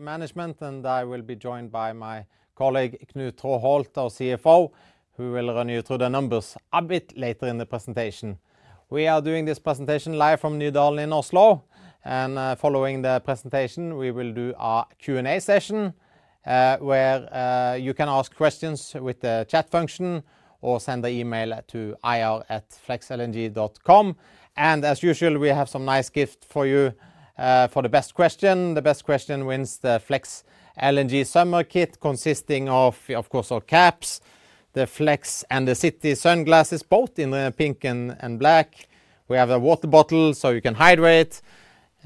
management, and I will be joined by my colleague, Knut Traaholt, our CFO, who will run you through the numbers a bit later in the presentation. We are doing this presentation live from Nydalen in Oslo, and, following the presentation, we will do a Q&A session, where you can ask questions with the chat function or send an email to ir@flexlng.com. And as usual, we have some nice gift for you, for the best question. The best question wins the Flex LNG summer kit, consisting of, of course, our caps, the Flex and the City sunglasses, both in pink and black. We have a water bottle, so you can hydrate.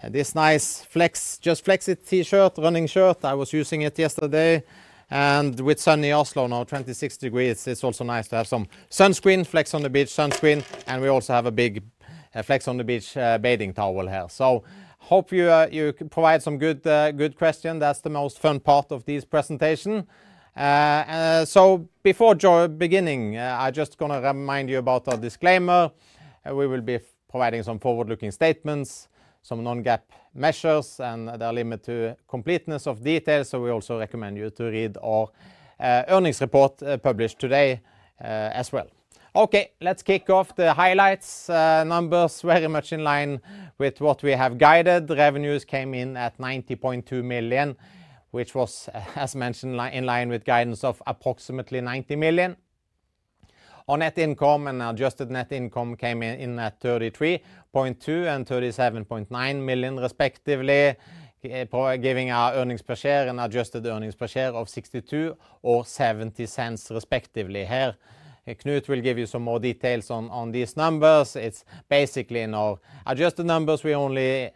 This nice Flex, Just Flex it T-shirt, running shirt. I was using it yesterday. And with sunny Oslo, now 26 degrees, it's also nice to have some sunscreen, Flex on the Beach sunscreen, and we also have a big Flex on the Beach bathing towel here. So hope you provide some good question. That's the most fun part of this presentation. So before beginning, I just gonna remind you about our disclaimer. We will be providing some forward-looking statements, some non-GAAP measures, and they are limited to completeness of details, so we also recommend you to read our earnings report published today as well. Okay, let's kick off the highlights. Numbers very much in line with what we have guided. Revenues came in at $90.2 million, which was, as mentioned, in line with guidance of approximately $90 million. Our net income and adjusted net income came in at $33.2 million and $37.9 million, respectively, giving our earnings per share and adjusted earnings per share of $0.62 or $0.70, respectively here. Knut will give you some more details on, on these numbers. It's basically now adjusted numbers. We only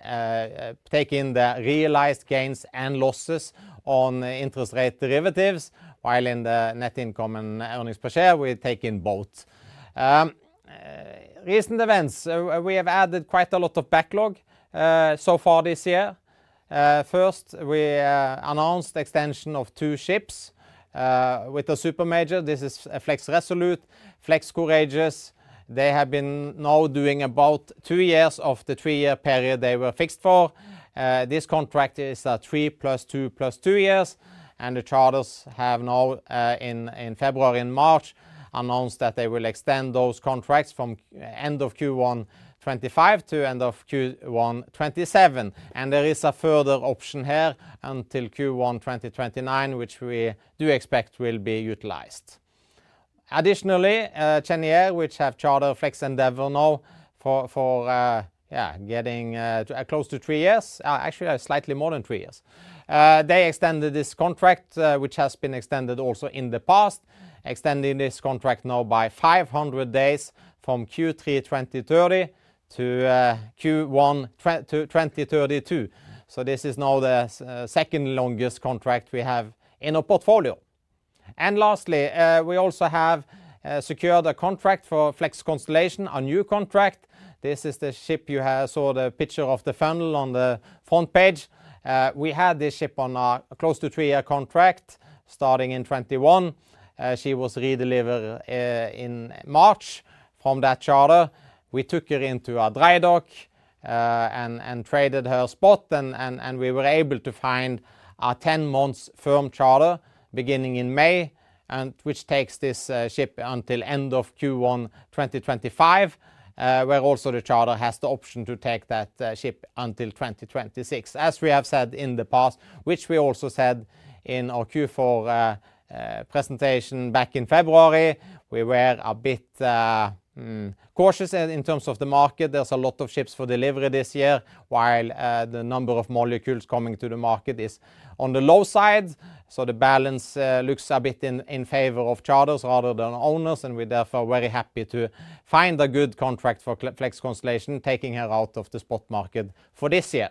take in the realized gains and losses on interest rate derivatives, while in the net income and earnings per share, we take in both. Recent events. We have added quite a lot of backlog, so far this year. First, we announced extension of two ships, with the super major. This is Flex Resolute, Flex Courageous. They have been now doing about two years of the three-year period they were fixed for. This contract is three plus two plus two years, and the charters have now in February and March announced that they will extend those contracts from end of Q1 2025 to end of Q1 2027. And there is a further option here until Q1 2029, which we do expect will be utilized. Additionally, Cheniere, which have chartered Flex Endeavour now for, for, yeah, getting close to three years, actually, slightly more than three years. They extended this contract, which has been extended also in the past, extending this contract now by 500 days from Q3 2030 to Q1 2032. So this is now the second longest contract we have in our portfolio. And lastly, we also have secured a contract for Flex Constellation, a new contract. This is the ship you have saw the picture of the funnel on the front page. We had this ship on a close to three-year contract starting in 2021. She was redelivered in March from that charter. We took her into a dry dock, and traded her spot, and we were able to find a 10-month firm charter beginning in May, and which takes this ship until end of Q1 2025, where also the charter has the option to take that ship until 2026. As we have said in the past, which we also said in our Q4 presentation back in February, we were a bit cautious in terms of the market. There's a lot of ships for delivery this year, while the number of molecules coming to the market is on the low side. So the balance looks a bit in favor of charters rather than owners, and we're therefore very happy to find a good contract for Flex Constellation, taking her out of the spot market for this year.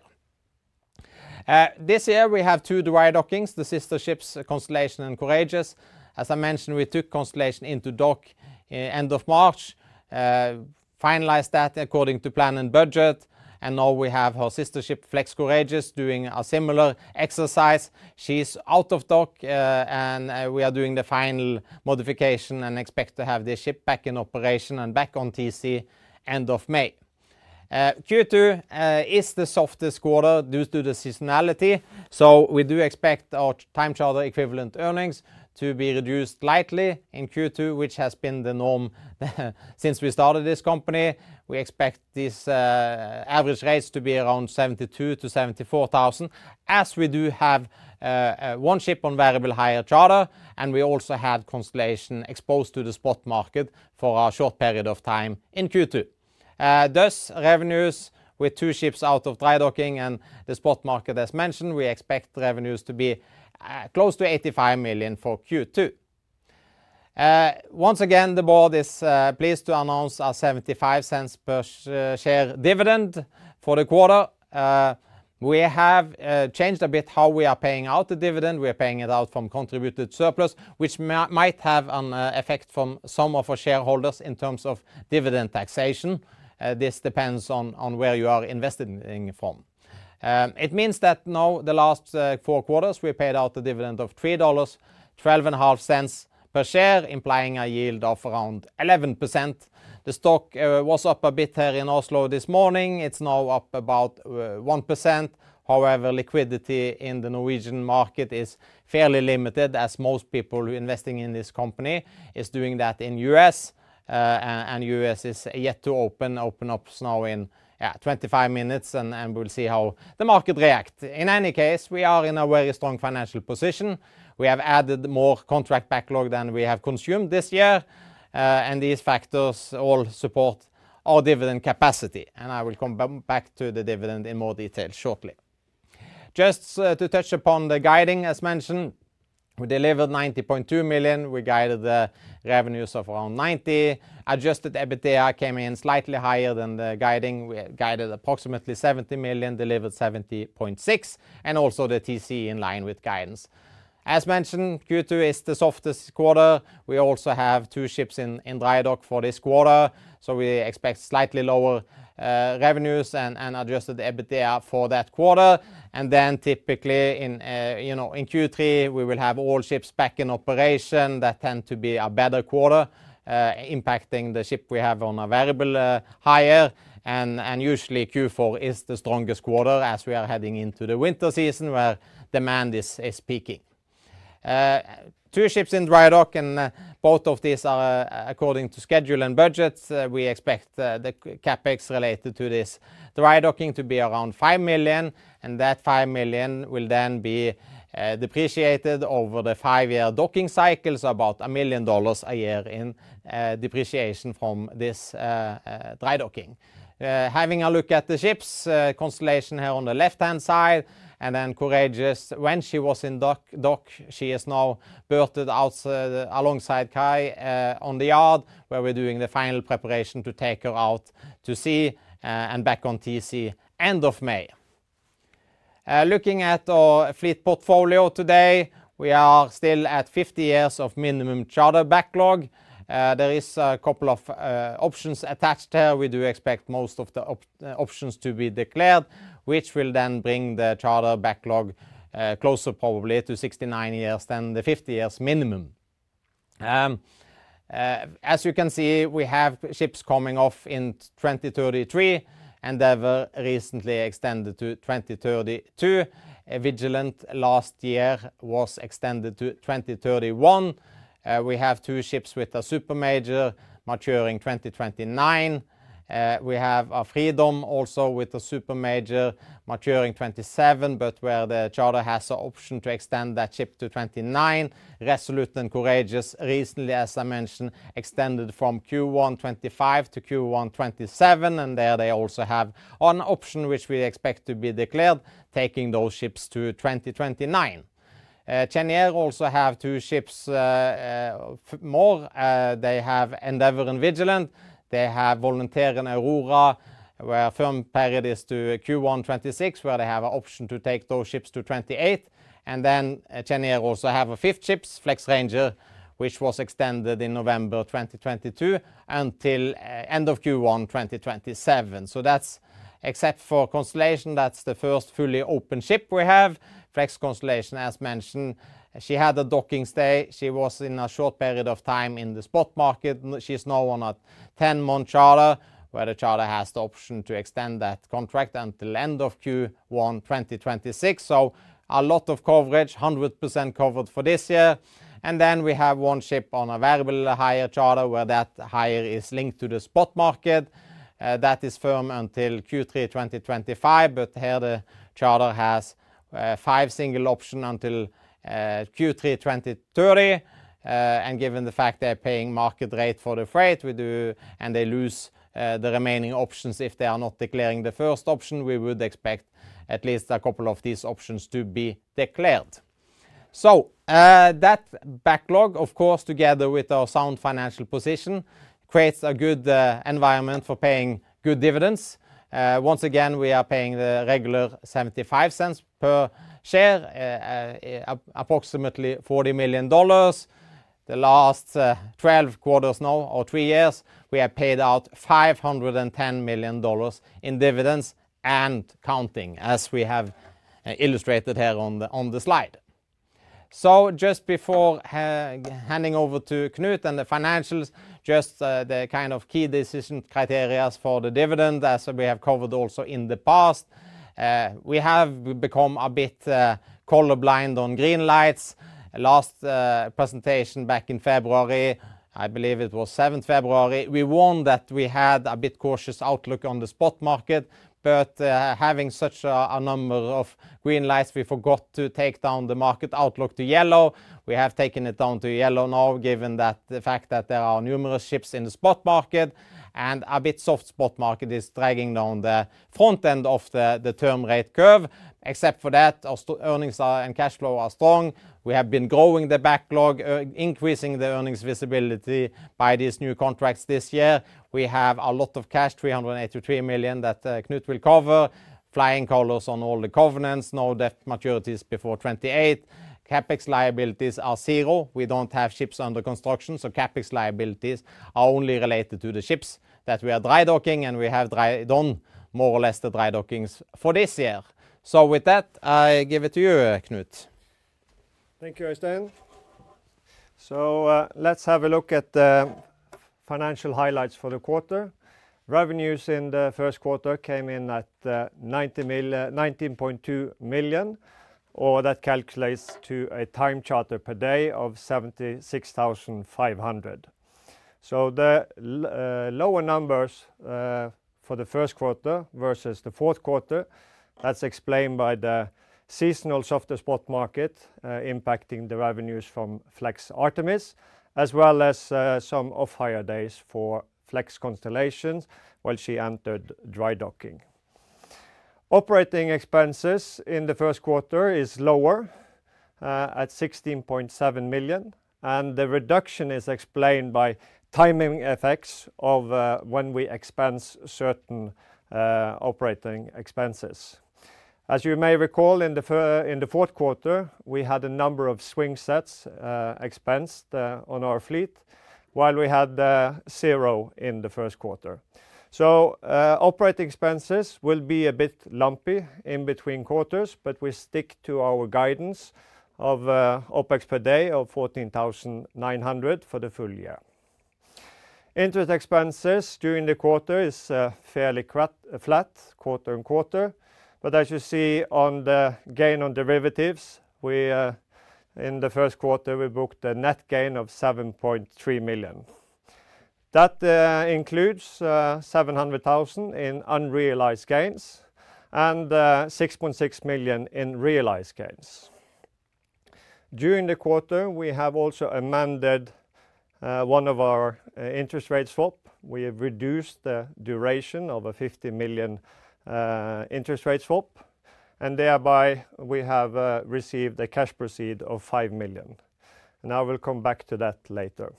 This year, we have two dry dockings, the sister ships, Constellation and Courageous. As I mentioned, we took Constellation into dock end of March, finalized that according to plan and budget, and now we have her sister ship, Flex Courageous, doing a similar exercise. She's out of dock, and we are doing the final modification and expect to have the ship back in operation and back on TC end of May. Q2 is the softest quarter due to the seasonality, so we do expect our time charter equivalent earnings to be reduced slightly in Q2, which has been the norm since we started this company. We expect these average rates to be around $72,000-$74,000, as we do have one ship on variable hire charter, and we also have Constellation exposed to the spot market for a short period of time in Q2. Thus, revenues with two ships out of dry docking and the spot market as mentioned, we expect revenues to be close to $85 million for Q2. Once again, the board is pleased to announce a $0.75 per share dividend for the quarter. We have changed a bit how we are paying out the dividend. We are paying it out from contributed surplus, which might have an effect from some of our shareholders in terms of dividend taxation. This depends on, on where you are investing from. It means that now, the last four quarters, we paid out a dividend of $3.125 per share, implying a yield of around 11%. The stock was up a bit here in Oslo this morning. It's now up about 1%. However, liquidity in the Norwegian market is fairly limited, as most people investing in this company is doing that in U.S. and U.S. is yet to open, open up now in, yeah, 25 minutes, and, and we'll see how the market react. In any case, we are in a very strong financial position. We have added more contract backlog than we have consumed this year, and these factors all support our dividend capacity, and I will come back to the dividend in more detail shortly. Just to touch upon the guiding, as mentioned, we delivered $90.2 million. We guided the revenues of around $90 million. Adjusted EBITDA came in slightly higher than the guiding. We guided approximately $70 million, delivered $70.6 million, and also the TC in line with guidance. As mentioned, Q2 is the softest quarter. We also have two ships in dry dock for this quarter, so we expect slightly lower revenues and adjusted EBITDA for that quarter. And then typically in, you know, in Q3, we will have all ships back in operation. That tend to be a better quarter, impacting the ship we have on a variable hire. Usually Q4 is the strongest quarter as we are heading into the winter season where demand is peaking. Two ships in dry dock, and both of these are according to schedule and budgets. We expect the CapEx related to this dry docking to be around $5 million, and that $5 million will then be depreciated over the five-year docking cycles, about $1 million a year in depreciation from this dry docking. Having a look at the ships, Constellation here on the left-hand side and then Courageous when she was in dock. She is now berthed out alongside quay on the yard, where we're doing the final preparation to take her out to sea and back on TC end of May. Looking at our fleet portfolio today, we are still at 50 years of minimum charter backlog. There is a couple of options attached here. We do expect most of the options to be declared, which will then bring the charter backlog closer probably to 69 years than the 50 years minimum. As you can see, we have ships coming off in 2033, and they were recently extended to 2032. Vigilant last year was extended to 2031. We have two ships with a super major maturing 2029. We have a Freedom also with the super major maturing 2027, but where the charter has the option to extend that ship to 2029. Resolute and Flex Courageous recently, as I mentioned, extended from Q1 2025 to Q1 2027, and there they also have an option, which we expect to be declared, taking those ships to 2029. Cheniere also have two ships, more. They have Flex Endeavour and Flex Vigilant. They have Flex Volunteer and Flex Aurora, where a firm period is to Q1 2026, where they have an option to take those ships to 2028. And then Cheniere also have a fifth ship, Flex Ranger, which was extended in November 2022 until end of Q1 2027. So that's except for Constellation, that's the first fully open ship we have. Flex Constellation, as mentioned, she had a docking stay. She was in a short period of time in the spot market. She's now on a 10-month charter, where the charter has the option to extend that contract until end of Q1 2026. So a lot of coverage, 100% covered for this year. Then we have one ship on a variable hire charter, where that hire is linked to the spot market. That is firm until Q3 2025, but here the charter has five single option until Q3 2030. And given the fact they're paying market rate for the freight, we do. And they lose the remaining options if they are not declaring the first option, we would expect at least a couple of these options to be declared. So, that backlog, of course, together with our sound financial position, creates a good environment for paying good dividends. Once again, we are paying the regular $0.75 per share, approximately $40 million. The last 12 quarters now or three years, we have paid out $510 million in dividends and counting, as we have illustrated here on the slide. So just before handing over to Knut and the financials, just the kind of key decision criteria for the dividend, as we have covered also in the past. We have become a bit color blind on green lights. Last presentation back in February, I believe it was February 7th, we warned that we had a bit cautious outlook on the spot market. But having such a number of green lights, we forgot to take down the market outlook to yellow. We have taken it down to yellow now, given the fact that there are numerous ships in the spot market, and a bit soft spot market is dragging down the front end of the term rate curve. Except for that, our earnings and cash flow are strong. We have been growing the backlog, increasing the earnings visibility by these new contracts this year. We have a lot of cash, $383 million, that Knut will cover, flying colors on all the covenants, no debt maturities before 2028. CapEx liabilities are zero. We don't have ships under construction, so CapEx liabilities are only related to the ships that we are dry docking, and we have dry-docked more or less the dry dockings for this year. So with that, I give it to you, Knut. Thank you, Øystein. So, let's have a look at the financial highlights for the quarter. Revenues in the Q1 came in at $19.2 million, or that calculates to a time charter per day of $76,500. So the lower numbers for the Q1 versus the Q4, that's explained by the seasonal softer spot market impacting the revenues from Flex Artemis, as well as some off-hire days for Flex Constellation while she entered dry docking. Operating expenses in the Q1 is lower at $16.7 million, and the reduction is explained by timing effects of when we expense certain operating expenses. As you may recall, in the Q4, we had a number of swing sets expensed on our fleet, while we had zero in the Q1. So, operating expenses will be a bit lumpy in between quarters, but we stick to our guidance of OpEx per day of $14,900 for the full year. Interest expenses during the quarter is fairly flat, quarter and quarter, but as you see on the gain on derivatives, we in the Q1, we booked a net gain of $7.3 million. That includes $700,000 in unrealized gains and $6.6 million in realized gains. During the quarter, we have also amended one of our interest rate swap. We have reduced the duration of a $50 million interest rate swap, and thereby we have received a cash proceeds of $5 million. I will come back to that later.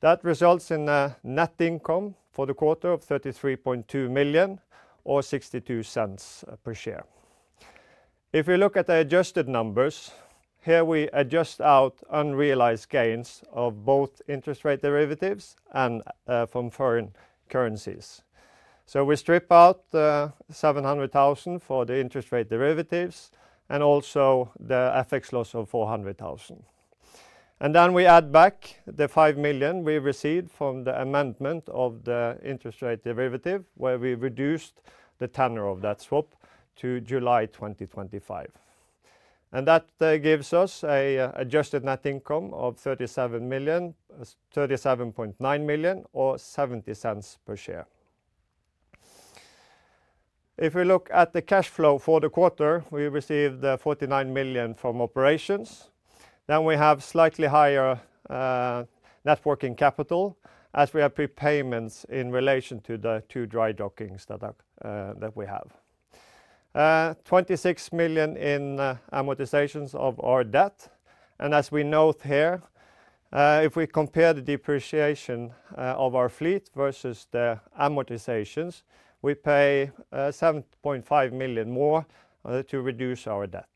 That results in a net income for the quarter of $33.2 million or $0.62 per share. If you look at the adjusted numbers, here we adjust out unrealized gains of both interest rate derivatives and from foreign currencies. So we strip out the $700,000 for the interest rate derivatives and also the FX loss of $400,000. And then we add back the $5 million we received from the amendment of the interest rate derivative, where we reduced the tenor of that swap to July 2025. That gives us an adjusted net income of $37 million, $37.9 million, or $0.70 per share. If we look at the cash flow for the quarter, we received $49 million from operations. Then we have slightly higher Net Working Capital, as we have prepayments in relation to the two dry dockings that are that we have. $26 million in amortizations of our debt, and as we note here, if we compare the depreciation of our fleet versus the amortizations, we pay $7.5 million more to reduce our debt.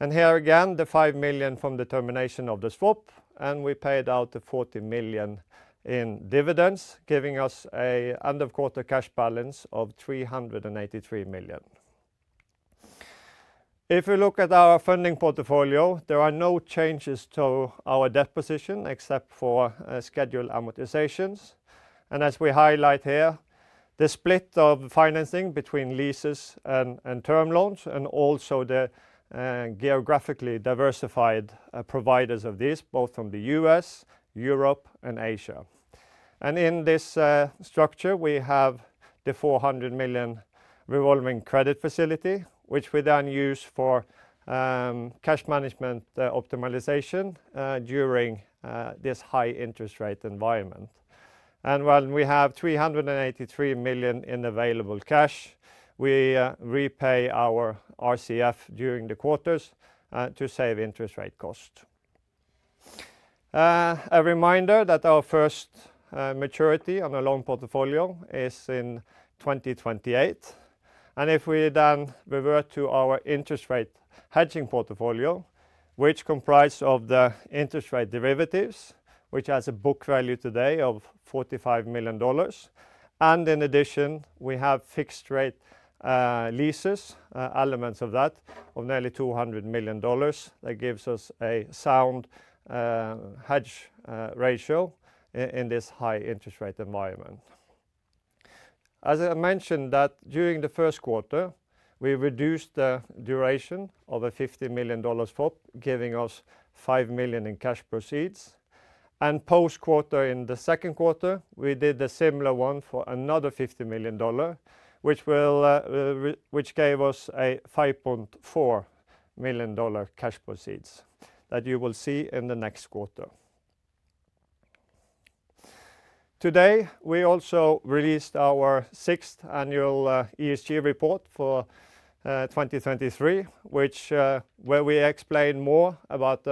And here again, the $5 million from the termination of the swap, and we paid out the $40 million in dividends, giving us an end-of-quarter cash balance of $383 million. If we look at our funding portfolio, there are no changes to our debt position except for scheduled amortizations. As we highlight here, the split of financing between leases and term loans, and also the geographically diversified providers of this, both from the U.S., Europe, and Asia. And in this structure, we have the $400 million revolving credit facility, which we then use for cash management optimization during this high interest rate environment. And while we have $383 million in available cash, we repay our RCF during the quarters to save interest rate cost. A reminder that our first maturity on the loan portfolio is in 2028. And if we then revert to our interest rate hedging portfolio, which comprise of the interest rate derivatives, which has a book value today of $45 million, and in addition, we have fixed rate leases elements of that, of nearly $200 million. That gives us a sound hedge ratio in this high interest rate environment. As I mentioned, that during the Q1, we reduced the duration of a $50 million swap, giving us $5 million in cash proceeds, and post-quarter in the Q2, we did a similar one for another $50 million, which gave us a $5.4 million cash proceeds that you will see in the next quarter. Today, we also released our sixth annual ESG report for 2023, where we explain more about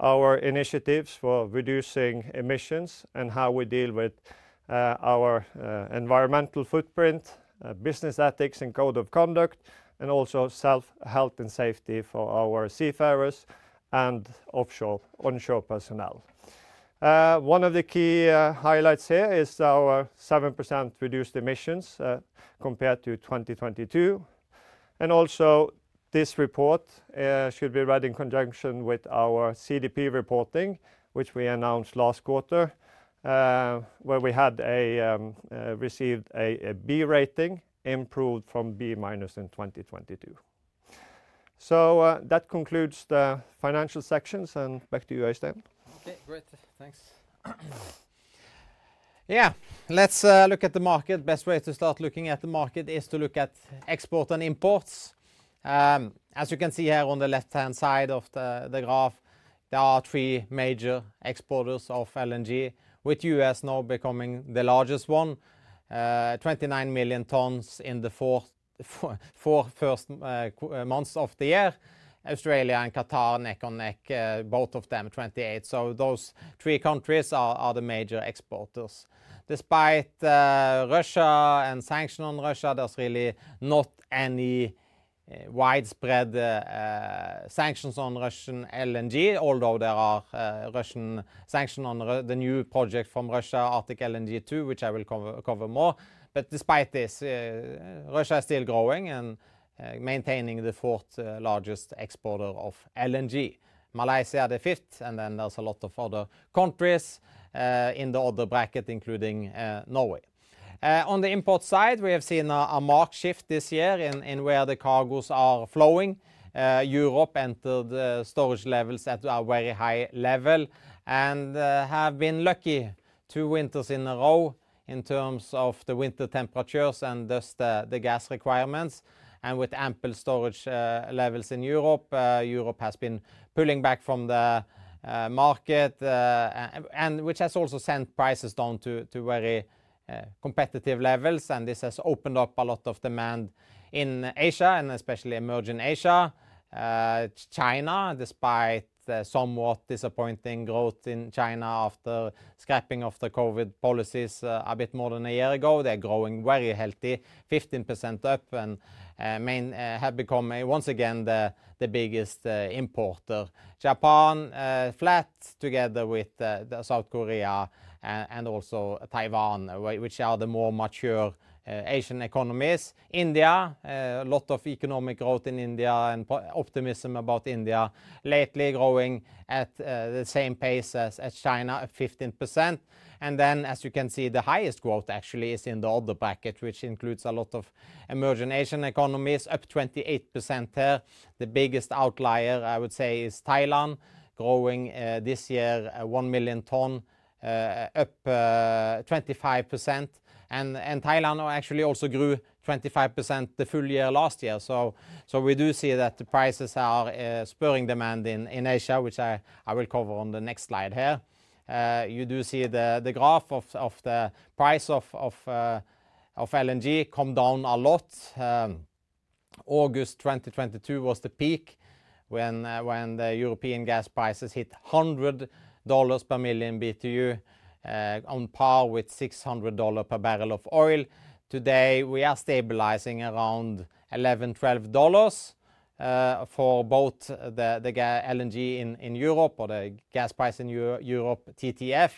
our initiatives for reducing emissions and how we deal with our environmental footprint, business ethics and code of conduct, and also health and safety for our seafarers and offshore and onshore personnel. One of the key highlights here is our 7% reduced emissions compared to 2022. Also, this report should be read in conjunction with our CDP reporting, which we announced last quarter, where we received a B rating, improved from B-minus in 2022. So, that concludes the financial sections, and back to you, Øystein. Okay, great. Thanks. Yeah, let's look at the market. Best way to start looking at the market is to look at export and imports. As you can see here on the left-hand side of the graph, there are three major exporters of LNG, with US now becoming the largest one. 29 million tons in the first four months of the year. Australia and Qatar are neck and neck, both of them 28. So those three countries are the major exporters. Despite Russia and sanction on Russia, there's really not any widespread sanctions on Russian LNG, although there are Russian sanction on the new project from Russia, Arctic LNG 2, which I will cover more. But despite this, Russia is still growing and maintaining the fourth largest exporter of LNG. Malaysia, the fifth, and then there's a lot of other countries in the other bracket, including Norway. On the import side, we have seen a marked shift this year in where the cargoes are flowing. Europe, and the storage levels at a very high level, and have been lucky two winters in a row in terms of the winter temperatures and thus the gas requirements, and with ample storage levels in Europe. Europe has been pulling back from the market, and which has also sent prices down to very competitive levels, and this has opened up a lot of demand in Asia, and especially emerging Asia. China, despite the somewhat disappointing growth in China after scrapping of the COVID policies a bit more than a year ago, they're growing very healthy, 15% up, and mainly have become once again the biggest importer. Japan, flat together with the South Korea, and also Taiwan, which are the more mature Asian economies. India, a lot of economic growth in India and optimism about India. Lately, growing at the same pace as China, at 15%. And then, as you can see, the highest growth actually is in the other bracket, which includes a lot of emerging Asian economies, up 28% there. The biggest outlier, I would say, is Thailand, growing this year, 1 million tons up, 25%. And Thailand actually also grew 25% the full year last year. So, we do see that the prices are spurring demand in Asia, which I will cover on the next slide here. You do see the graph of the price of LNG come down a lot. August 2022 was the peak when the European gas prices hit $100 per million Btu, on par with $600 per barrel of oil. Today, we are stabilizing around $11-$12 for both the gas-LNG in Europe or the gas price in Europe, TTF,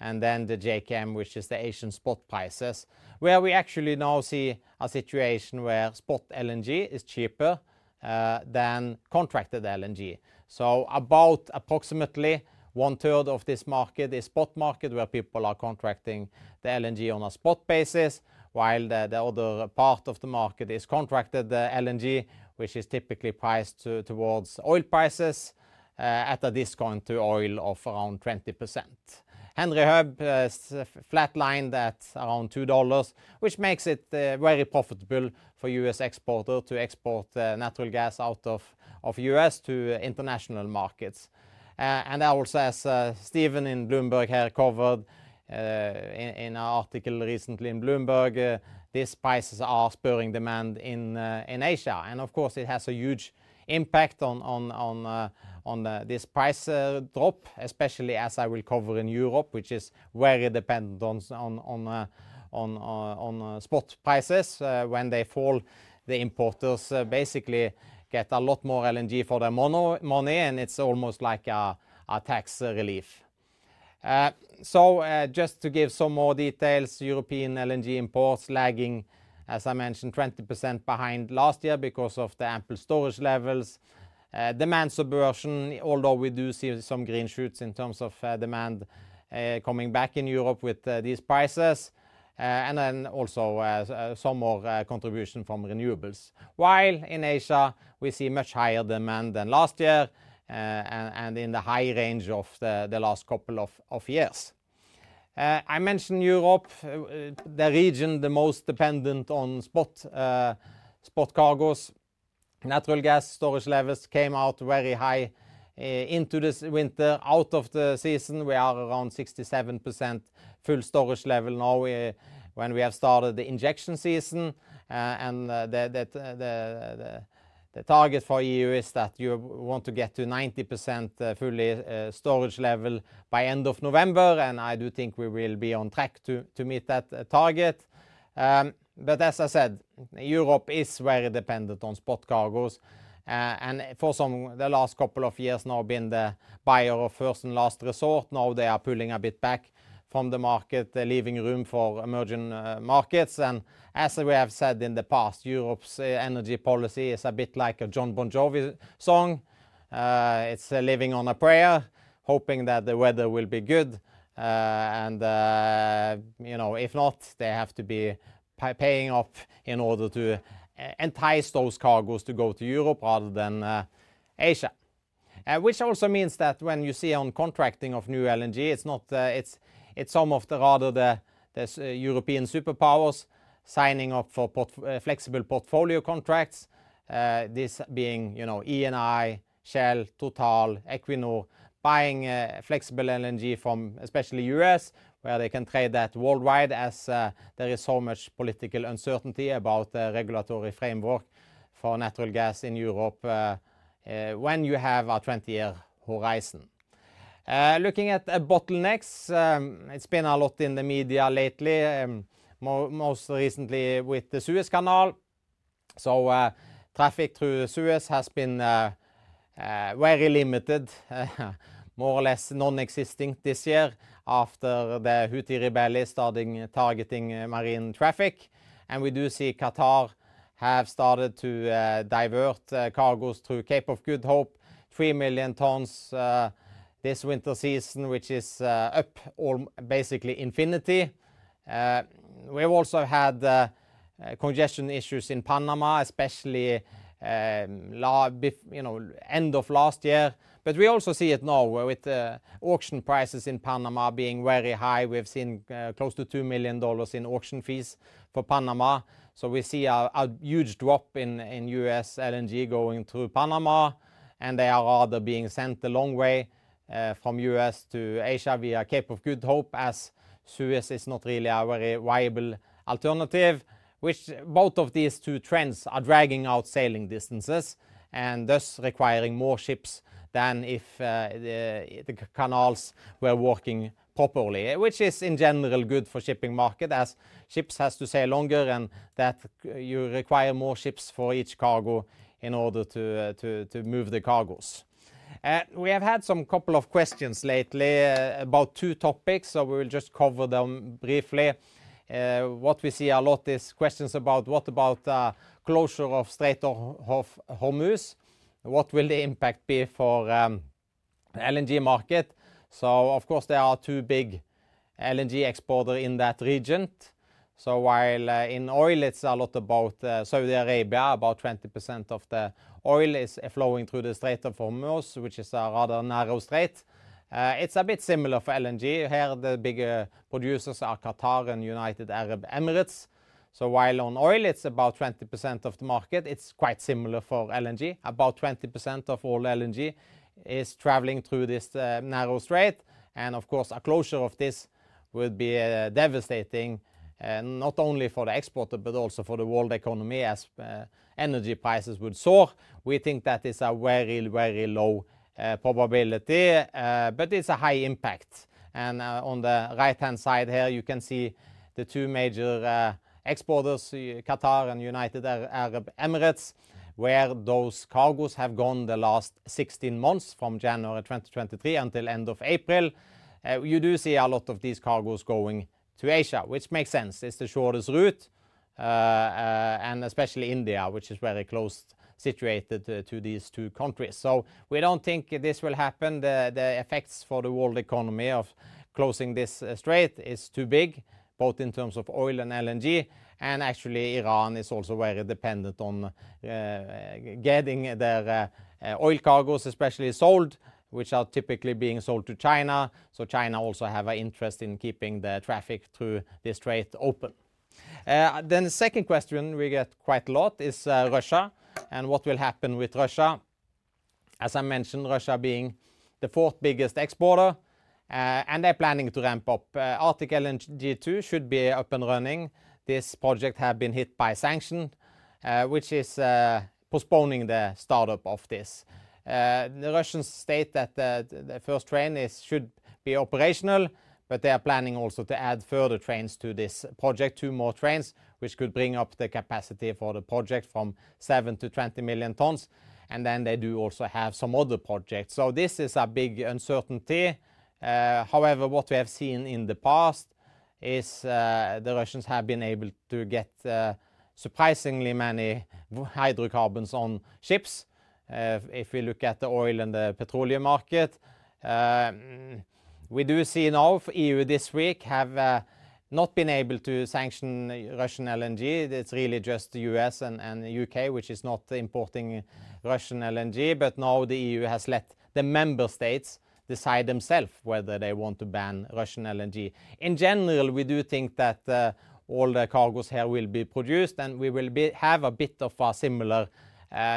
and then the JKM, which is the Asian spot prices, where we actually now see a situation where spot LNG is cheaper than contracted LNG. So about approximately one third of this market is spot market, where people are contracting the LNG on a spot basis, while the other part of the market is contracted LNG, which is typically priced towards oil prices, at a discount to oil of around 20%. Henry Hub is flatlined at around $2, which makes it very profitable for U.S. exporter to export natural gas out of the U.S. to international markets. And also, as Steven in Bloomberg had covered, in an article recently in Bloomberg, these prices are spurring demand in Asia. And of course, it has a huge impact on this price drop, especially as I will cover in Europe, which is very dependent on spot prices. When they fall, the importers basically get a lot more LNG for their money, and it's almost like a tax relief. So, just to give some more details, European LNG imports lagging, as I mentioned, 20% behind last year because of the ample storage levels. Demand suppression, although we do see some green shoots in terms of demand coming back in Europe with these prices, and then also some more contribution from renewables. While in Asia, we see much higher demand than last year, and in the high range of the last couple of years. I mentioned Europe, the region most dependent on spot cargoes. Natural gas storage levels came out very high into this winter. Out of the season, we are around 67% full storage level now, when we have started the injection season, and the target for EU is that you want to get to 90%, fully, storage level by end of November, and I do think we will be on track to meet that target. But as I said, Europe is very dependent on spot cargoes, and for some, the last couple of years now, been the buyer of first and last resort. Now they are pulling a bit back from the market, leaving room for emerging markets. And as we have said in the past, Europe's energy policy is a bit like a Jon Bon Jovi song. It's living on a prayer, hoping that the weather will be good. And, you know, if not, they have to be paying off in order to entice those cargoes to go to Europe rather than Asia. Which also means that when you see on contracting of new LNG, it's not. It's, it's some of the rather the European superpowers signing up for flexible portfolio contracts. This being, you know, Eni, Shell, Total, Equinor, buying flexible LNG from especially U.S., where they can trade that worldwide as there is so much political uncertainty about the regulatory framework for natural gas in Europe when you have a 20-year horizon. Looking at bottlenecks, it's been a lot in the media lately, most recently with the Suez Canal. So, traffic through Suez has been very limited, more or less non-existing this year after the Houthi rebels starting targeting marine traffic. And we do see Qatar have started to divert cargos through Cape of Good Hope, 3 million tons this winter season, which is up or basically infinity. We've also had congestion issues in Panama, especially, you know, end of last year. But we also see it now with the auction prices in Panama being very high. We've seen close to $2 million in auction fees for Panama, so we see a huge drop in US LNG going through Panama, and they are rather being sent the long way from US to Asia via Cape of Good Hope, as Suez is not really a very viable alternative. Which both of these two trends are dragging out sailing distances and thus requiring more ships than if the canals were working properly, which is, in general, good for shipping market, as ships has to stay longer and that you require more ships for each cargo in order to move the cargoes. We have had some couple of questions lately about two topics, so we will just cover them briefly. What we see a lot is questions about what about closure of Strait of Hormuz? What will the impact be for LNG market? So of course, there are two big LNG exporter in that region. So while in oil, it's a lot about Saudi Arabia, about 20% of the oil is flowing through the Strait of Hormuz, which is a rather narrow strait. It's a bit similar for LNG. Here, the big producers are Qatar and United Arab Emirates. So while on oil, it's about 20% of the market, it's quite similar for LNG. About 20% of all LNG is traveling through this narrow strait, and of course, a closure of this would be devastating, not only for the exporter, but also for the world economy, as energy prices would soar. We think that is a very, very low probability, but it's a high impact. And, on the right-hand side here, you can see the two major exporters, Qatar and United Arab Emirates, where those cargoes have gone the last 16 months, from January 2023 until end of April. You do see a lot of these cargoes going to Asia, which makes sense. It's the shortest route, and especially India, which is very close situated to these two countries. So we don't think this will happen. The effects for the world economy of closing this strait is too big, both in terms of oil and LNG, and actually, Iran is also very dependent on getting their oil cargoes especially sold, which are typically being sold to China. So China also have an interest in keeping the traffic through the strait open. Then the second question we get quite a lot is, Russia and what will happen with Russia. As I mentioned, Russia being the fourth-biggest exporter, and they're planning to ramp up. Arctic LNG 2 should be up and running. This project have been hit by sanctions, which is postponing the startup of this. The Russians state that the first train should be operational, but they are planning also to add further trains to this project, 2 more trains, which could bring up the capacity for the project from 7 to 20 million tons, and then they do also have some other projects. So this is a big uncertainty. However, what we have seen in the past is, the Russians have been able to get, surprisingly many hydrocarbons on ships. If we look at the oil and the petroleum market, we do see now E.U. this week have not been able to sanction Russian LNG. It's really just the U.S. and the U.K., which is not importing Russian LNG, but now the E.U. has let the member states decide themselves whether they want to ban Russian LNG. In general, we do think that all the cargoes here will be produced, and we will have a bit of a similar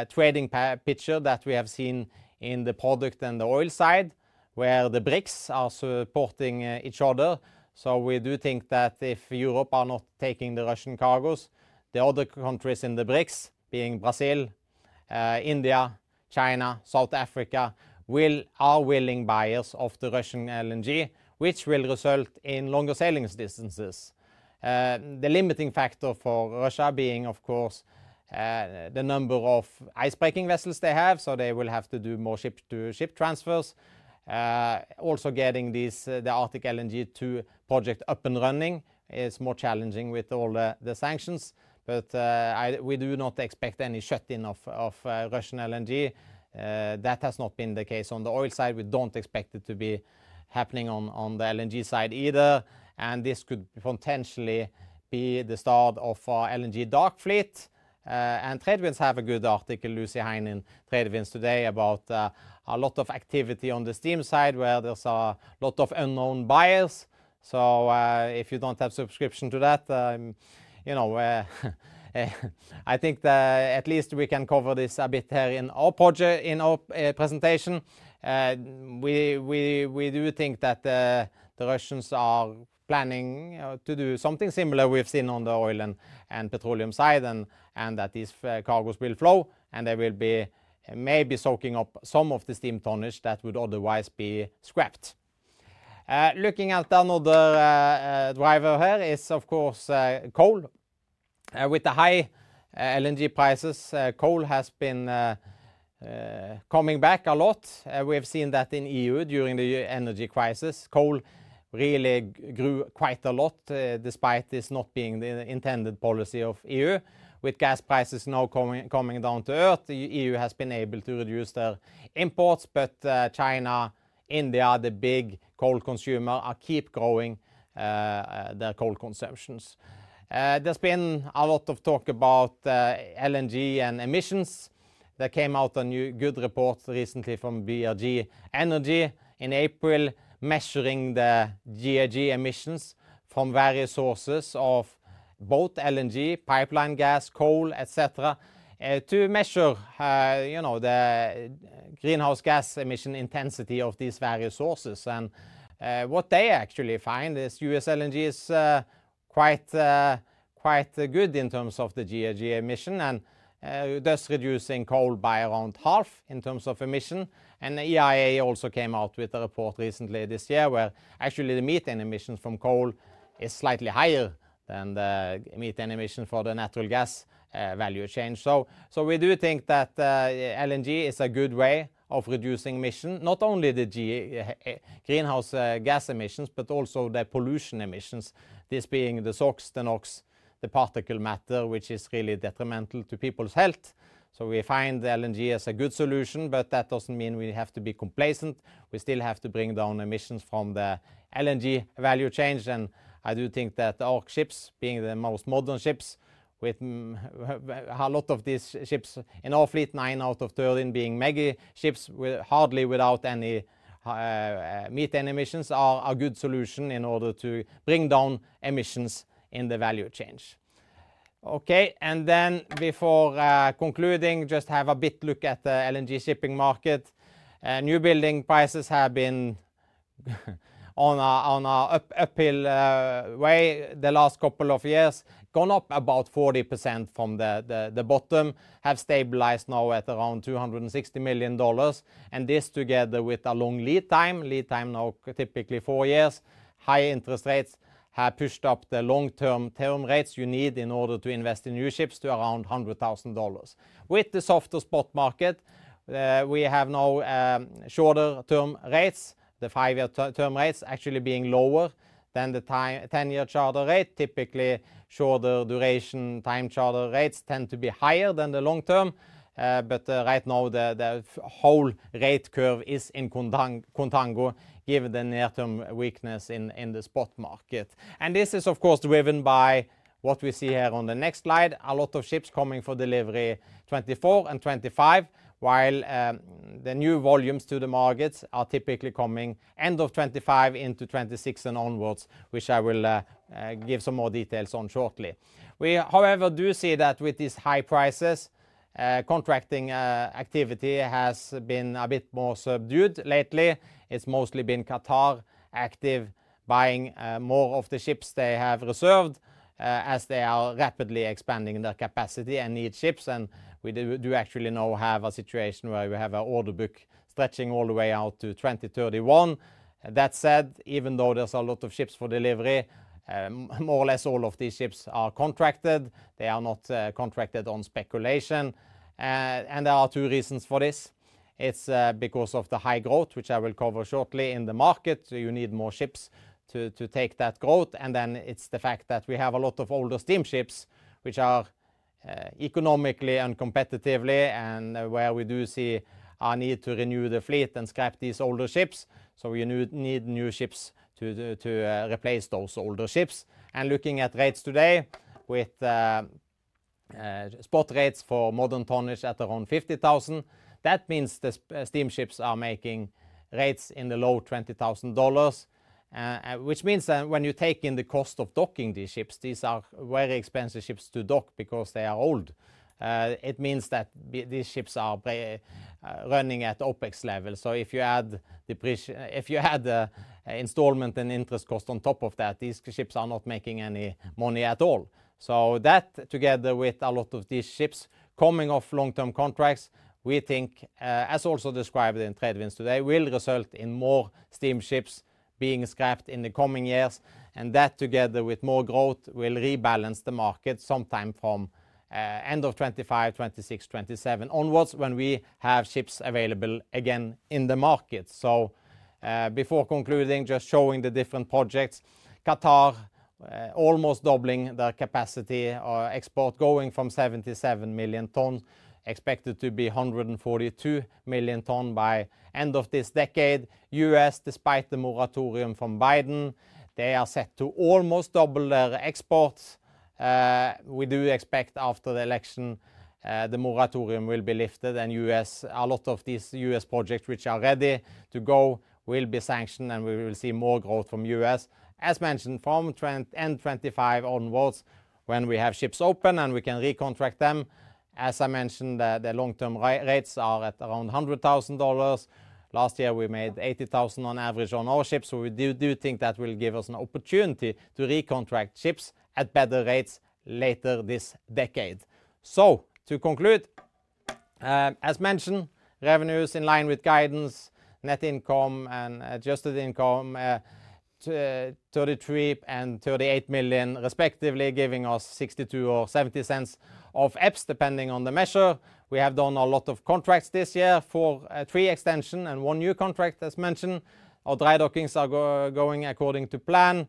trading picture that we have seen in the product and the oil side, where the BRICS are supporting each other. So we do think that if Europe are not taking the Russian cargoes, the other countries in the BRICS, being Brazil, India, China, South Africa are willing buyers of the Russian LNG, which will result in longer sailing distances. The limiting factor for Russia being, of course, the number of icebreaking vessels they have, so they will have to do more ship-to-ship transfers. Also getting the Arctic LNG 2 project up and running is more challenging with all the sanctions. But we do not expect any shut-in of Russian LNG. That has not been the case on the oil side. We don't expect it to be happening on the LNG side either, and this could potentially be the start of LNG dark fleet. And TradeWinds have a good article, Lucy Hine in TradeWinds today, about a lot of activity on the steam side, where there's a lot of unknown buyers. So, if you don't have subscription to that, you know, I think that at least we can cover this a bit here in our presentation. We do think that the Russians are planning to do something similar we've seen on the oil and petroleum side, and that these cargos will flow, and they will be maybe soaking up some of the steam tonnage that would otherwise be scrapped. Looking at another driver here is, of course, coal. With the high LNG prices, coal has been coming back a lot. We have seen that in EU during the energy crisis. Coal really grew quite a lot, despite this not being the intended policy of EU. With gas prices now coming down to earth, the EU has been able to reduce their imports, but China, India, the big coal consumer, are keep growing their coal consumptions. There's been a lot of talk about LNG and emissions. There came out a new good report recently from BRG Energy in April, measuring the GHG emissions from various sources of both LNG, pipeline gas, coal, et cetera, to measure, you know, the greenhouse gas emission intensity of these various sources. What they actually find is US LNG is quite good in terms of the GHG emission and thus reducing coal by around half in terms of emission. The EIA also came out with a report recently this year, where actually the methane emissions from coal is slightly higher than the methane emission for the natural gas value chain. So we do think that LNG is a good way of reducing emission, not only the GHG emissions, but also the pollution emissions, this being the SOx, the NOx, the particulate matter, which is really detrimental to people's health. We find the LNG as a good solution, but that doesn't mean we have to be complacent. We still have to bring down emissions from the LNG value chain. I do think that our ships, being the most modern ships, with a lot of these ships in our fleet, nine out of 13 being mega ships, with hardly without any methane emissions, are a good solution in order to bring down emissions in the value chain. Okay, and then before concluding, just have a bit look at the LNG shipping market. New building prices have been on an uphill way the last couple of years, gone up about 40% from the bottom, have stabilized now at around $260 million. And this, together with a long lead time, now typically four years, high interest rates have pushed up the long-term term rates you need in order to invest in new ships to around $100,000. With the softer spot market, we have now shorter-term rates, the five-year term rates actually being lower than the 10-year charter rate. Typically, shorter duration time charter rates tend to be higher than the long term, but right now, the whole rate curve is in Contango, given the near-term weakness in the spot market. And this is, of course, driven by what we see here on the next slide. A lot of ships coming for delivery, 2024 and 2025, while the new volumes to the markets are typically coming end of 2025 into 2026 and onwards, which I will give some more details on shortly. We, however, do see that with these high prices, contracting activity has been a bit more subdued lately. It's mostly been Qatar active, buying more of the ships they have reserved as they are rapidly expanding their capacity and need ships. And we do actually now have a situation where we have an order book stretching all the way out to 2031. That said, even though there's a lot of ships for delivery, more or less, all of these ships are contracted. They are not contracted on speculation. And there are two reasons for this. It's because of the high growth, which I will cover shortly, in the market, so you need more ships to take that growth. And then it's the fact that we have a lot of older steamships, which are economically and competitively, and where we do see a need to renew the fleet and scrap these older ships. So we need new ships to replace those older ships. And looking at rates today with spot rates for modern tonnage at around $50,000. That means the steamships are making rates in the low $20,000. Which means that when you take in the cost of docking these ships, these are very expensive ships to dock because they are old. It means that these ships are very running at OpEx level. So if you add depreciation, if you add the installment and interest cost on top of that, these ships are not making any money at all. So that, together with a lot of these ships coming off long-term contracts, we think, as also described in TradeWinds today, will result in more steam ships being scrapped in the coming years. That, together with more growth, will rebalance the market sometime from end of 2025, 2026, 2027 onwards, when we have ships available again in the market. So, before concluding, just showing the different projects. Qatar, almost doubling their capacity or export, going from 77 million tons, expected to be 142 million tons by end of this decade. US, despite the moratorium from Biden, they are set to almost double their exports. We do expect after the election, the moratorium will be lifted, and US, a lot of these US projects, which are ready to go, will be sanctioned, and we will see more growth from US. As mentioned, from end 2025 onwards, when we have ships open and we can recontract them, as I mentioned, the long-term rates are at around $100,000. Last year, we made $80,000 on average on our ships, so we do think that will give us an opportunity to recontract ships at better rates later this decade. So to conclude, as mentioned, revenues in line with guidance, net income and adjusted income, $33 million and $38 million, respectively, giving us $0.62 or $0.70 of EPS, depending on the measure. We have done a lot of contracts this year for, three extension and one new contract, as mentioned. Our dry dockings are going according to plan.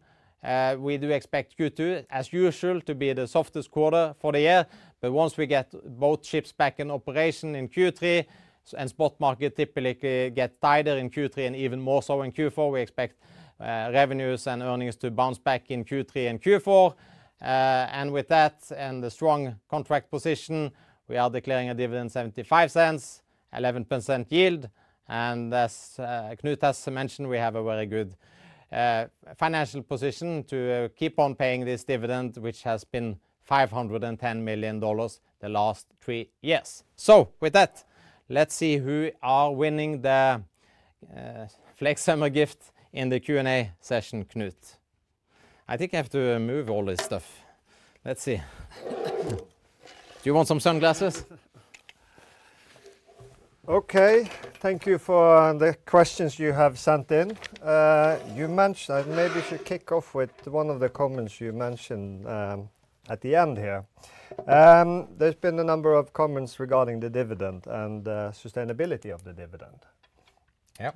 We do expect Q2, as usual, to be the softest quarter for the year. But once we get both ships back in operation in Q3, and spot market typically get tighter in Q3 and even more so in Q4, we expect, revenues and earnings to bounce back in Q3 and Q4. And with that and the strong contract position, we are declaring a dividend of $0.75, 11% yield. And as Knut has mentioned, we have a very good financial position to keep on paying this dividend, which has been $510 million the last three years. So with that, let's see who are winning the Flex summer gift in the Q&A session, Knut. I think I have to move all this stuff. Let's see. Do you want some sunglasses? Okay, thank you for the questions you have sent in. You mentioned, maybe we should kick off with one of the comments you mentioned at the end here. There's been a number of comments regarding the dividend and the sustainability of the dividend. Yeah.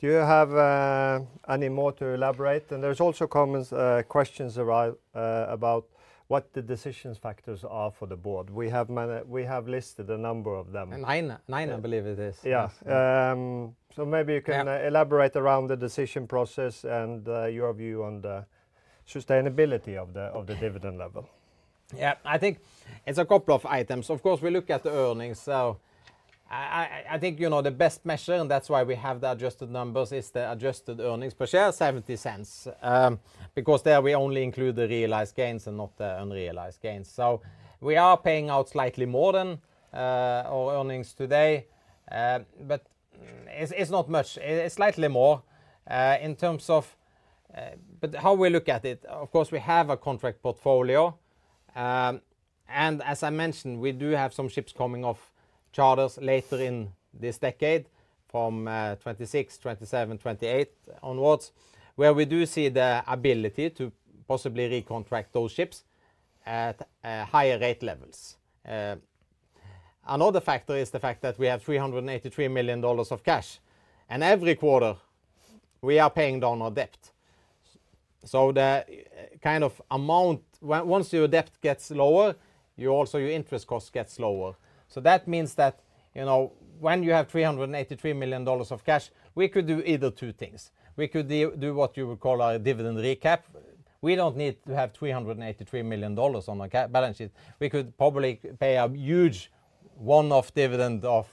Do you have any more to elaborate? There's also comments, questions around, about what the decision factors are for the board. We have listed a number of them. [99], I believe it is. Yeah. So maybe you can elaborate around the decision process and your view on the sustainability of the dividend level. Yeah, I think it's a couple of items. Of course, we look at the earnings. So I think, you know, the best measure, and that's why we have the adjusted numbers, is the adjusted earnings per share, $0.70. Because there we only include the realized gains and not the unrealized gains. So we are paying out slightly more than our earnings today, but it's not much. It's slightly more in terms of, but how we look at it, of course, we have a contract portfolio. And as I mentioned, we do have some ships coming off charters later in this decade from 2026, 2027, 2028 onwards, where we do see the ability to possibly recontract those ships at higher rate levels. Another factor is the fact that we have $383 million of cash, and every quarter, we are paying down our debt. So the kind of amount, once your debt gets lower, you also, your interest cost gets lower. So that means that, you know, when you have $383 million of cash, we could do either two things. We could do what you would call a dividend recap. We don't need to have $383 million on our cash balance sheet. We could probably pay a huge one-off dividend of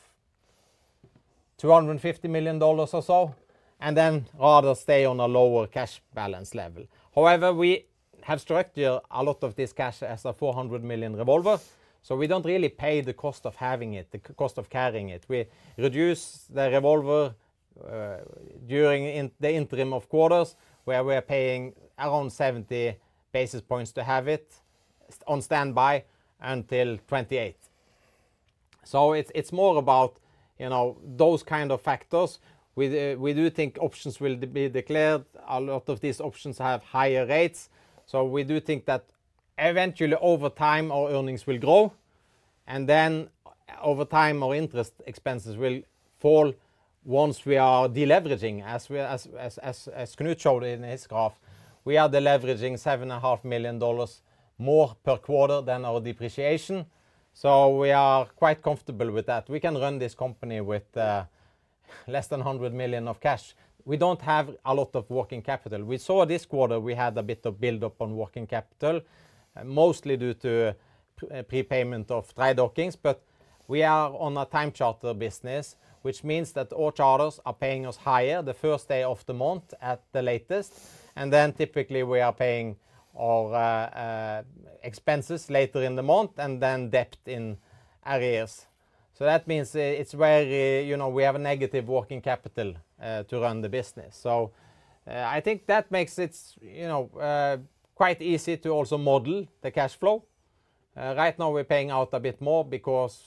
$250 million or so, and then rather stay on a lower cash balance level. However, we have structured a lot of this cash as a $400 million revolver, so we don't really pay the cost of having it, the cost of carrying it. We reduce the revolver during the interim of quarters, where we are paying around 70 basis points to have it on standby until 2028. So it's more about, you know, those kind of factors. We do think options will be declared. A lot of these options have higher rates, so we do think that eventually, over time, our earnings will grow, and then over time, our interest expenses will fall once we are deleveraging. As Knut showed in his graph, we are deleveraging $7.5 million more per quarter than our depreciation, so we are quite comfortable with that. We can run this company with less than $100 million of cash. We don't have a lot of working capital. We saw this quarter, we had a bit of build-up on working capital, mostly due to prepayment of dry dockings, but we are on a time charter business, which means that all charters are paying us hire the first day of the month at the latest, and then typically we are paying our expenses later in the month, and then debt in arrears. So that means, it's very, you know, we have a negative working capital to run the business. So, I think that makes it, you know, quite easy to also model the cash flow. Right now we're paying out a bit more because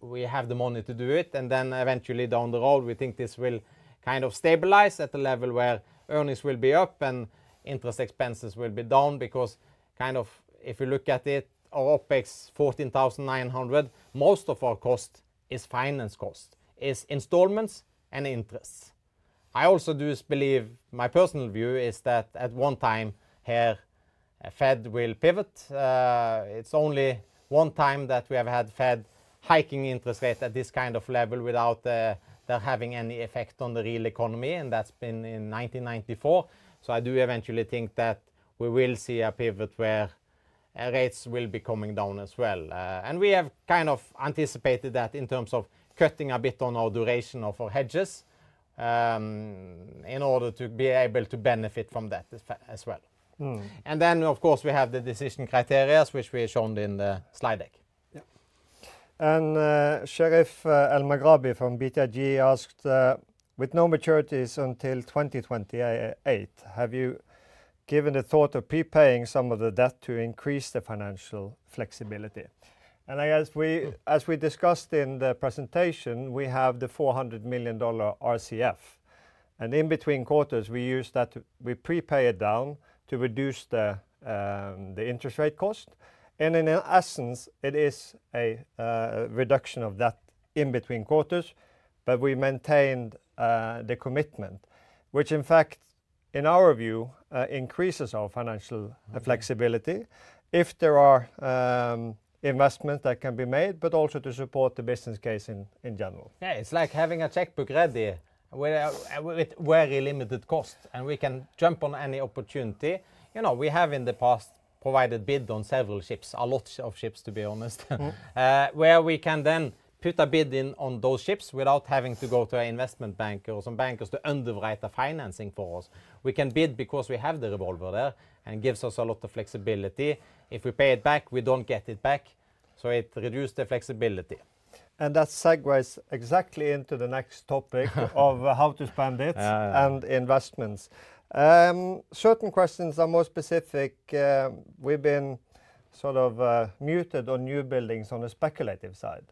we have the money to do it, and then eventually down the road, we think this will kind of stabilize at a level where earnings will be up and interest expenses will be down, because kind of if you look at it, our OpEx $14,900, most of our cost is finance cost, is installments and interests. I also do believe, my personal view is that at one time here, Fed will pivot. It's only one time that we have had Fed hiking interest rates at this kind of level without that having any effect on the real economy, and that's been in 1994. So I do eventually think that we will see a pivot where rates will be coming down as well. We have kind of anticipated that in terms of cutting a bit on our duration of our hedges, in order to be able to benefit from that as well. Of course, we have the decision criteria, which we have shown in the slide deck. Yeah. And, Sherif Elmaghrabi from BTIG asked, "With no maturities until 2028, have you given a thought of prepaying some of the debt to increase the financial flexibility?" And I guess as we discussed in the presentation, we have the $400 million RCF, and in between quarters we use that to... We prepay it down to reduce the, the interest rate cost. And in essence, it is a, reduction of debt in between quarters, but we maintained, the commitment, which in fact, in our view, increases our financial flexibility if there are, investment that can be made, but also to support the business case in general. Yeah, it's like having a checkbook ready, where with very limited cost, and we can jump on any opportunity. You know, we have in the past provided bid on several ships, a lot of ships, to be honest. Where we can then put a bid in on those ships without having to go to an investment banker or some bankers to underwrite the financing for us. We can bid because we have the revolver there, and gives us a lot of flexibility. If we pay it back, we don't get it back, so it reduce the flexibility. That segues exactly into the next topic of how to spend it and investments. Certain questions are more specific. We've been sort of muted on new buildings on the speculative side.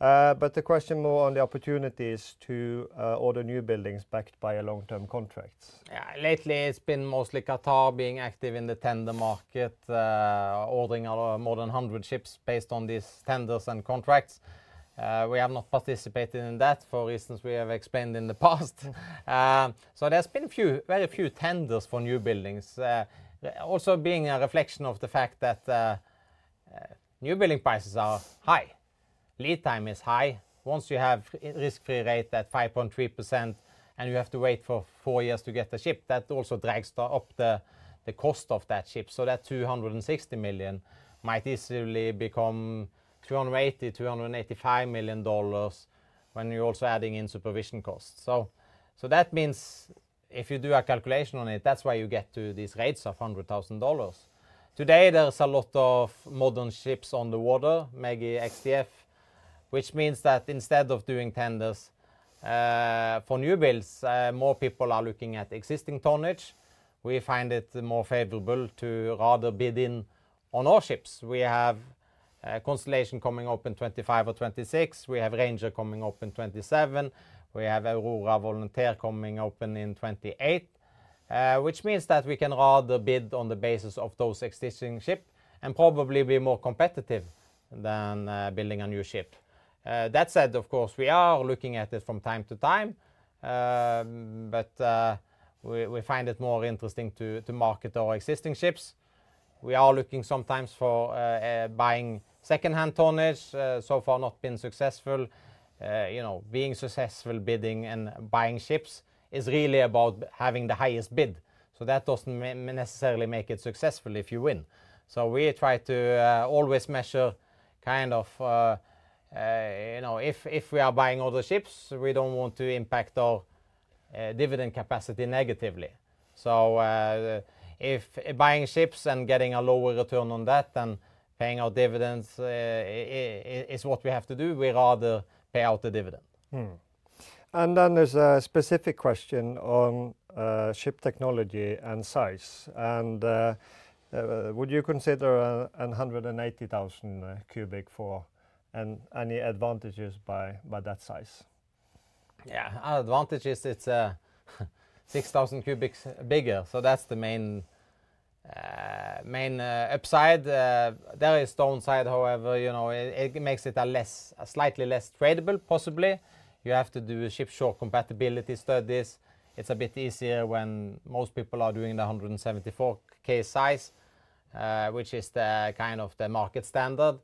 The question more on the opportunity is to order new buildings backed by long-term contracts. Yeah. Lately, it's been mostly Qatar being active in the tender market, ordering more than 100 ships based on these tenders and contracts. We have not participated in that for reasons we have explained in the past. So there's been very few tenders for new buildings. Also being a reflection of the fact that new building prices are high. Lead time is high. Once you have risk-free rate at 5.3%, and you have to wait for four years to get the ship, that also drags up the cost of that ship. So that $260 million might easily become $380 million -$385 million when you're also adding in supervision costs. So that means if you do a calculation on it, that's why you get to these rates of $100,000. Today there is a lot of modern ships on the water, maybe X-DF, which means that instead of doing tenders for new builds, more people are looking at existing tonnage. We find it more favorable to rather bid in on our ships. We have Constellation coming open 2025 or 2026. We have Ranger coming open 2027. We have Aurora Volunteer coming open in 2028. Which means that we can rather bid on the basis of those existing ship and probably be more competitive than building a new ship. That said, of course, we are looking at it from time to time, but we find it more interesting to market our existing ships. We are looking sometimes for buying secondhand tonnage. So far not been successful. You know, being successful bidding and buying ships is really about having the highest bid. So that doesn't necessarily make it successful if you win. So we try to always measure kind of, you know, if we are buying all the ships, we don't want to impact our dividend capacity negatively. So, if buying ships and getting a lower return on that than paying our dividends is what we have to do, we'd rather pay out the dividend. And then there's a specific question on ship technology and size, and would you consider 180,000 cubic for, and any advantages by that size? Yeah. Advantages, it's 6,000 cubics bigger, so that's the main upside. There is downside however, you know, it makes it a slightly less tradable possibly. You have to do ship-shore compatibility studies. It's a bit easier when most people are doing the 174,000 size, which is the kind of the market standard.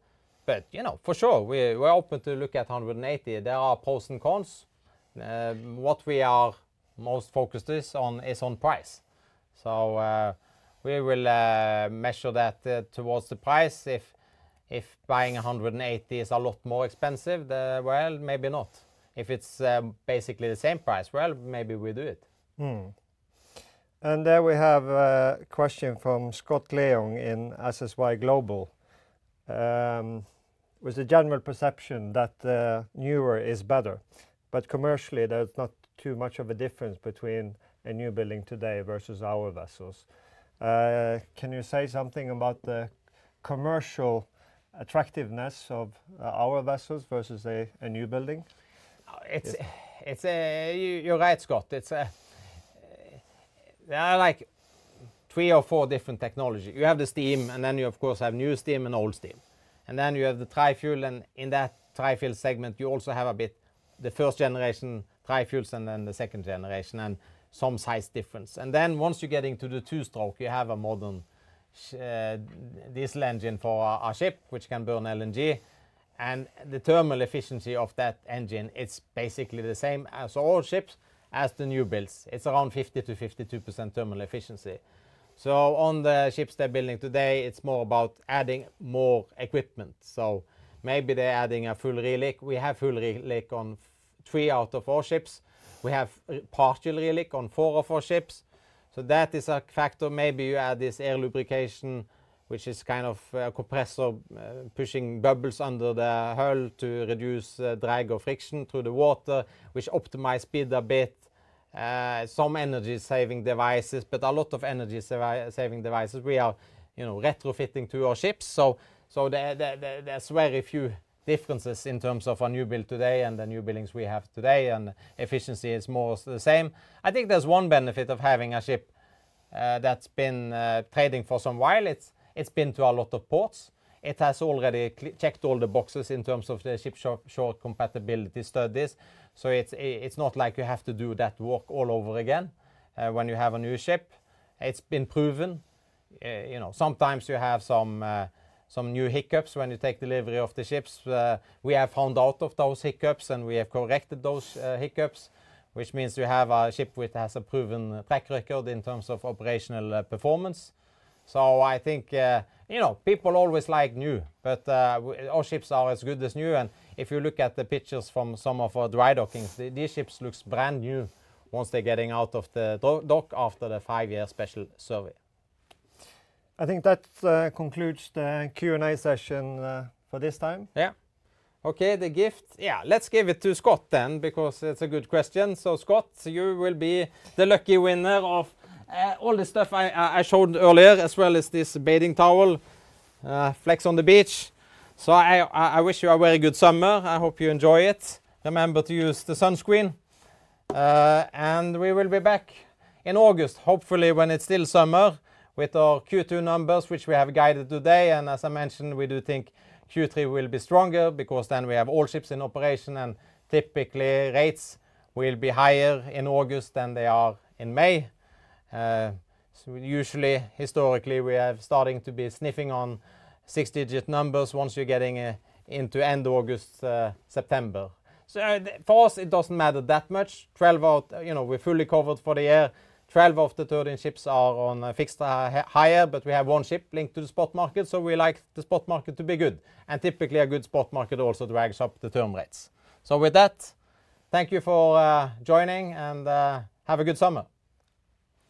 But, you know, for sure, we're open to look at 180. There are pros and cons. What we are most focused on is price. So, we will measure that towards the price. If buying 180 is a lot more expensive, then, well, maybe not. If it's basically the same price, well, maybe we do it. There we have a question from Scott Leong in SSY Global. "With the general perception that newer is better, but commercially there's not too much of a difference between a new building today versus our vessels." Can you say something about the commercial attractiveness of our vessels versus a new building? You're right, Scott. It's there are like three or four different technology. You have the steam, and then you, of course, have new steam and old steam, and then you have the Tri-Fuel, and in that Tri-Fuel segment, you also have a bit the first-generation Tri-Fuels and then the second generation, and some size difference. And then once you get into the two-stroke, you have a modern diesel engine for a ship, which can burn LNG, and the thermal efficiency of that engine, it's basically the same as old ships as the new builds. It's around 50%-52% thermal efficiency. So on the ships they're building today, it's more about adding more equipment, so maybe they're adding a full re-liq. We have full re-liq on three out of four ships. We have partial re-liq on four of four ships, so that is a factor. Maybe you add this air lubrication, which is kind of a compressor, pushing bubbles under the hull to reduce drag or friction through the water, which optimize speed a bit. Some energy-saving devices, but a lot of energy-saving devices we are, you know, retrofitting to our ships. So there's very few differences in terms of a new build today and the new buildings we have today, and efficiency is more the same. I think there's one benefit of having a ship that's been trading for some while. It's been to a lot of ports. It has already checked all the boxes in terms of the ship shore compatibility studies, so it's, it's not like you have to do that work all over again, when you have a new ship. It's been proven. You know, sometimes you have some, some new hiccups when you take delivery of the ships. We have found out of those hiccups, and we have corrected those, hiccups, which means we have a ship which has a proven track record in terms of operational, performance. So I think, you know, people always like new, but, our ships are as good as new, and if you look at the pictures from some of our dry dockings, these ships looks brand new once they're getting out of the dock after the five-year special survey. I think that concludes the Q&A session for this time. Yeah. Okay, the gift? Yeah, let's give it to Scott then because it's a good question. So Scott, you will be the lucky winner of all the stuff I showed earlier, as well as this bathing towel, Flex on the Beach. So I wish you a very good summer. I hope you enjoy it. Remember to use the sunscreen, and we will be back in August, hopefully when it's still summer, with our Q2 numbers, which we have guided today. And as I mentioned, we do think Q3 will be stronger because then we have all ships in operation, and typically, rates will be higher in August than they are in May. So usually, historically, we are starting to be sniffing on six-digit numbers once you're getting into end August, September. So for us, it doesn't matter that much. You know, we're fully covered for the year. 12 of the 13 ships are on a fixed hire, but we have one ship linked to the spot market, so we like the spot market to be good, and typically a good spot market also drags up the term rates. So with that, thank you for joining, and have a good summer.